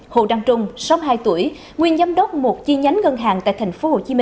hồ đăng trung sáu mươi hai tuổi nguyên giám đốc một chi nhánh ngân hàng tại tp hcm